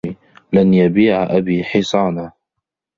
لَنْ يَبِيعَ أَبِي حِصَانَهِ.